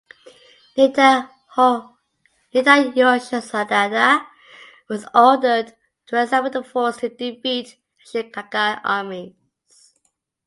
Nitta Yoshisada was ordered to assemble the force to defeat the Ashikaga armies.